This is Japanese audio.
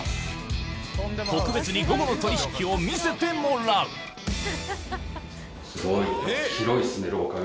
特別に午後の取り引きを見せてもらう。